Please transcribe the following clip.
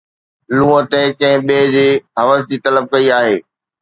لُونءَ تي ڪنهن ٻئي جي حوس جي طلب ڪئي آهي